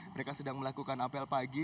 mereka sedang melakukan apel pagi